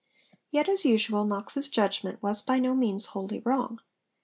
Yet, as usual, Knox's judgment was by no means wholly wrong.